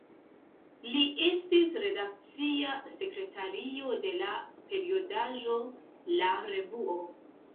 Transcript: Li estis redakcia sekretario de la periodaĵo "La Revuo".